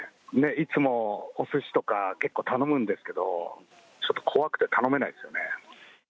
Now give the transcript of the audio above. いつもおすしとか、結構頼むんですけど、ちょっと怖くて頼めないですよね。